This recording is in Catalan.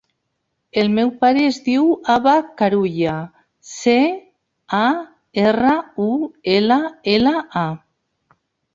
El meu pare es diu Abba Carulla: ce, a, erra, u, ela, ela, a.